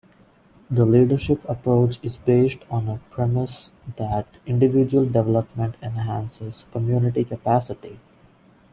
The leadership approach is based on a premise that individual development enhances community capacity.